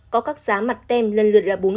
có các giá mặt tem lần lượt là